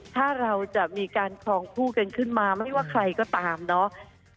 ถ้าเราจะมีการครองคู่กันขึ้นมาไม่ว่าใครก็ตามเนาะ